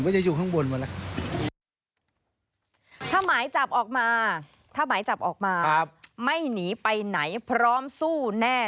หมายจับออกมาถ้าหมายจับออกมาไม่หนีไปไหนพร้อมสู้แน่